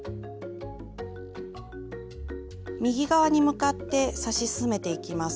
右側に向かって刺し進めていきます。